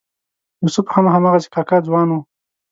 یوسف هم هماغسې کاکه ځوان و.